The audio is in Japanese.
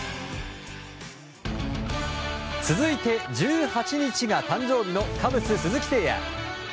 続いて、１８日が誕生日のカブス、鈴木誠也。